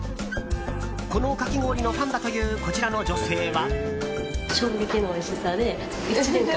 このかき氷のファンだというこちらの女性は。